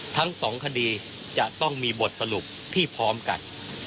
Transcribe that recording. ทั้งสองคดีจะต้องมีบทสรุปที่พร้อมกัน